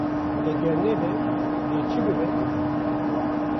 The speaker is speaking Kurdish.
Eger nebe dê çi bibe?